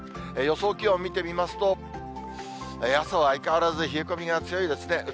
予想気温見てみますと、あすは相変わらず冷え込みが強いですね。